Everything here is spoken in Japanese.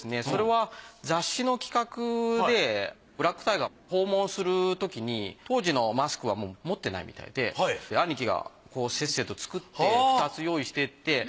それは雑誌の企画でブラック・タイガーを訪問するときに当時のマスクはもう持ってないみたいで兄貴がせっせと作って２つ用意していって。